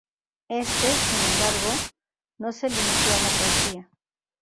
Este, sin embargo, no se limitó a la poesía.